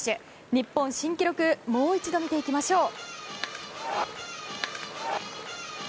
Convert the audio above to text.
日本新記録もう一度見ていきましょう。